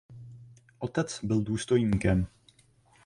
Otec byl důstojníkem.